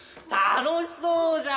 楽しそうじゃん！